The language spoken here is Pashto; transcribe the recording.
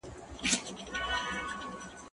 زه پرون بازار ته ولاړم؟!